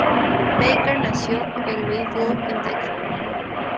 Baker nació en Louisville, Kentucky.